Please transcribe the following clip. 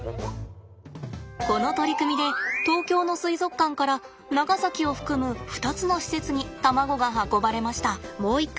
この取り組みで東京の水族館から長崎を含む２つの施設に卵が運ばれました。